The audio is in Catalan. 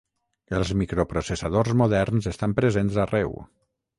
Els microprocessadors moderns estan presents arreu.